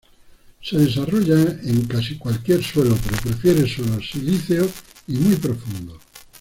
Se desarrolla en casi cualquier suelo pero prefiere suelos silíceos y muy profundos.